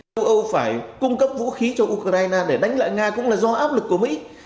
châu âu phải cung cấp vũ khí cho ukraine để đánh lại nga cũng là do áp lực của mỹ